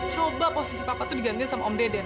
coba posisi papa tuh digantiin sama om deden